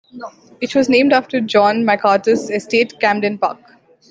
It was named after John Macarthur's estate "Camden Park".